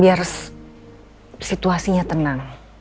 biar situasinya tenang